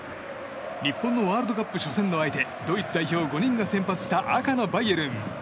日本のワールドカップ初戦の相手ドイツ代表５人が先発した赤のバイエルン。